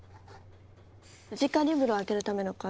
ムジカリブロを開けるための鍵